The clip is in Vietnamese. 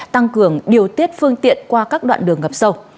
tăng cường điều tiết phương tiện qua các đoạn đường ngập sâu